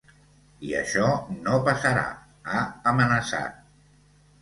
I això no passarà, ha amenaçat.